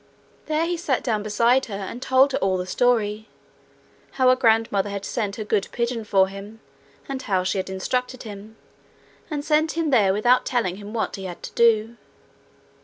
There he sat down beside her and told her all the story how her grandmother had sent her good pigeon for him, and how she had instructed him, and sent him there without telling him what he had to do.